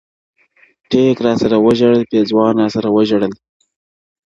ټیک راسره وژړل پېزوان راسره وژړل-